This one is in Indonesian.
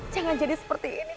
jangan jadi seperti ini